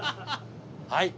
はい。